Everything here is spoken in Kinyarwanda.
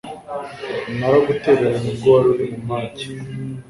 naragutereranye ubwo waruri mumajye